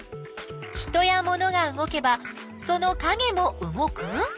人やモノが動けばそのかげも動く？